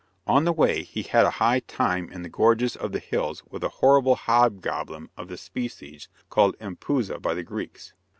On the way, he had a high time in the gorges of the hills with a horrible hobgoblin of the species called empusa by the Greeks.